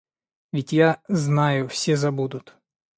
Ведь я знаю, все забудут.